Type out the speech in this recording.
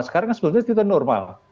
sekarang sebenarnya itu normal